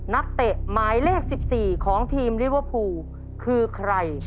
เตะหมายเลข๑๔ของทีมลิเวอร์พูลคือใคร